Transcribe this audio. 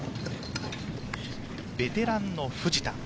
ベテランの藤田。